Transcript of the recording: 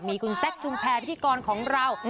มีคุณแซคชุมแพรพิธีกรของเรา